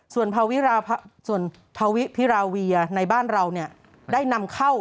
ส่วนพาวิพิราเวียในบ้านเราได้นำเข้า